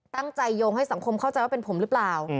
โยงให้สังคมเข้าใจว่าเป็นผมหรือเปล่า